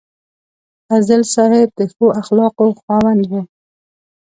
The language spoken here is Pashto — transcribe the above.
فضل صاحب د ښو اخلاقو خاوند و.